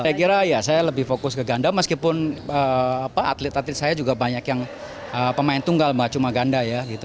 saya kira saya lebih fokus ke ganda meskipun atlet atlet saya juga banyak yang pemain tunggal cuma ganda